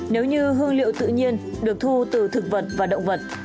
nếu như hương liệu tự nhiên được thu từ thực vật và động vật